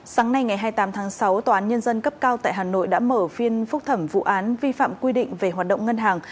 sáng nay ngày hai mươi tám tháng sáu tòa án nhân dân cấp cao tại hà nội đã mở phiên phúc thẩm vụ án vi phạm quy định về hoạt động ngân hàng